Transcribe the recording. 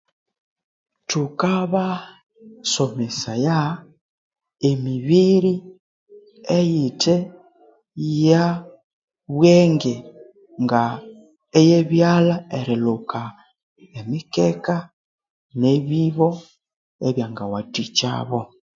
Thukabasomesaya emibiri eyithe ya bwenge nga eyebyalha, erilhuka emikeka ne'bibo byangawathikyabo